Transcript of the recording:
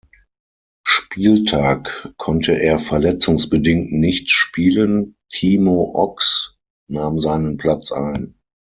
Spieltag konnte er verletzungsbedingt nicht spielen, Timo Ochs nahm seinen Platz ein.